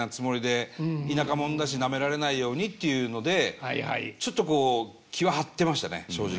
田舎者だしなめられないようにっていうのでちょっとこう気は張ってましたね正直。